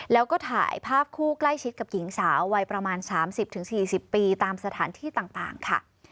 แล้วก็ถ่ายภาพคู่ใกล้ชิดกับหญิงสาววัยประมาณ๓๐๔๐ปีตามสถานที่ต่างค่ะ